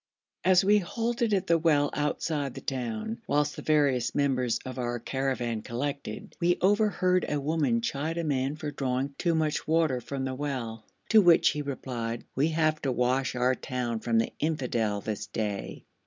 As we halted at the well outside the town, whilst the various members of our caravan collected, we overheard a woman chide a man for drawing too much water from the well, to which he replied, 'We have to wash our town from the infidel this day.'